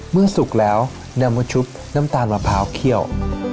เมื่อสุกแล้วนำผสมแบบวาดชุบน้ำตาลมะพร้าวเขี้ยว